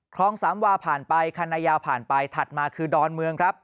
คลองสามวาผ่านไปคันนายาวผ่านไปถัดมาคือดอนเมืองครับ